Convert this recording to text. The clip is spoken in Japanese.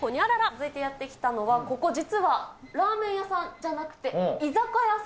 続いてやって来たのは、ここ、実はラーメン屋さんじゃなくて、確かに。